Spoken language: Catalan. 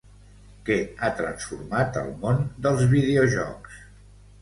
Què ha transformat el món dels videojocs?